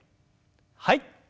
はい。